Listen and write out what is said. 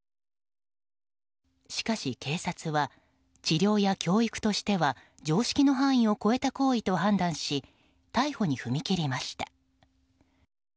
しかし警察は治療や教育としては常識の範囲を超えた行為と判断し逮捕に踏み切りました。